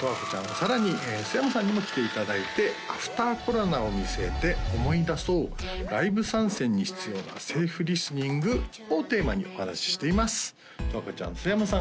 さらに須山さんにも来ていただいて「アフターコロナを見据えて思い出そうライブ参戦に必要なセーフリスニング」をテーマにお話ししていますとわこちゃん須山さん